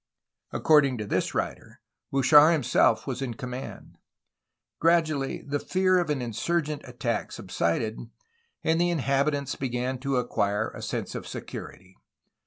According to this writer, Bouchard himself was in command. Gradually the fear of an insurgent attack subsided, and the inhabitants began to acquire a sense of security.